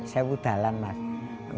saya tidak tahu apa yang saya lakukan